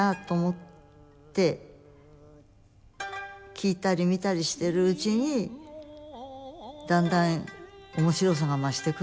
聴いたり見たりしてるうちにだんだん面白さが増してくるんじゃないでしょうかね。